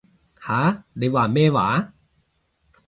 吓？你話咩話？